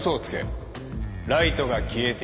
ライトが消えている。